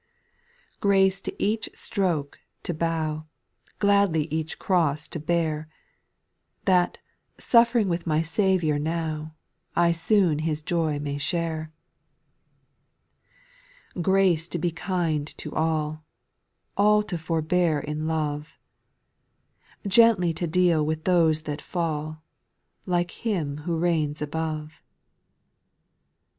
' Grace to each stroke to bow, Gladly each cross to bear, That, suffering with the Saviour now, I soon His joy may share. ) 6. / Grace to be kind to all ; All to forbear in love ; Gently to deal with those that fall, Like Him who reigns above.